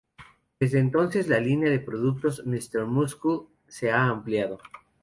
Desde entonces, la linea de productos Mr Muscle se ha ampliado.